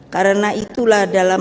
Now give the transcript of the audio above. karena itulah dalam